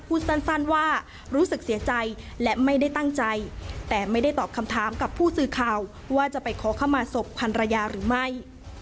พูดสั้นว่ารู้สึกเสียใจและไม่ได้ตั้งใจแต่ไม่ได้ตอบคำถามกับผู้สื่อข่าวว่าจะไปขอเข้ามาศพพันรยาหรือไม่